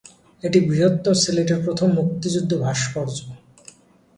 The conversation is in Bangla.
এটি বৃহত্তর সিলেটের প্রথম মুক্তিযুদ্ধ ভাস্কর্য।